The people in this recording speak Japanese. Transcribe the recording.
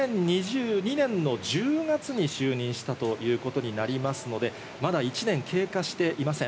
２０２２年の１０月に就任したということで、まだ１年経過していません。